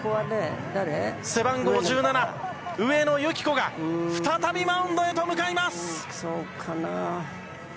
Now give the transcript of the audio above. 背番号１７上野由岐子が再びマウンドへと向かいます。